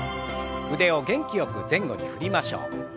腕を元気よく前後に振りましょう。